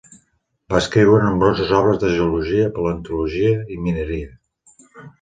Va escriure nombroses obres de geologia, paleontologia i mineria.